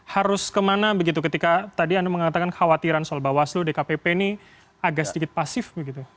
harus kemana begitu ketika tadi anda mengatakan kekhawatiran soal bawaslu dkpp ini agak sedikit pasif begitu